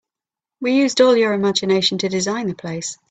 We used all your imgination to design the place.